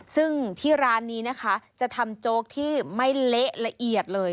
ซึ่งที่ร้านนี้นะคะจะทำโจ๊กที่ไม่เละละเอียดเลย